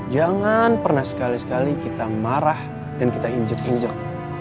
jangan pernah sekali sekali kita marah dan kita injek injek